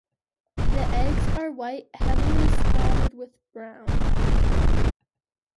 The eggs are white heavily spotted with brown.